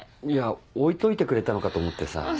いや置いといてくれたのかと思ってさ。